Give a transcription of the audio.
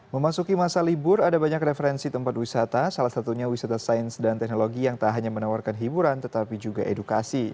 memasuki masa libur ada banyak referensi tempat wisata salah satunya wisata sains dan teknologi yang tak hanya menawarkan hiburan tetapi juga edukasi